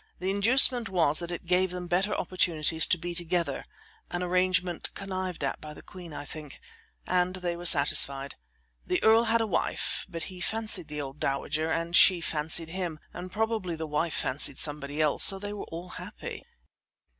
The inducement was that it gave them better opportunities to be together an arrangement connived at by the queen, I think and they were satisfied. The earl had a wife, but he fancied the old dowager and she fancied him, and probably the wife fancied somebody else, so they were all happy.